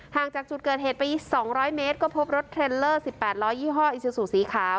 จากจุดเกิดเหตุไป๒๐๐เมตรก็พบรถเทรลเลอร์๑๘ล้อยี่ห้ออิซูซูสีขาว